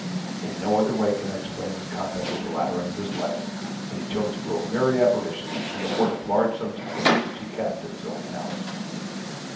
In no other way can I explain his conduct at the latter end of his life, when he chose to grow very avaricious, and to hoard up large sums of gold, which he kept in his own house.